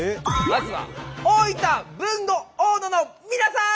まずは大分豊後大野の皆さん！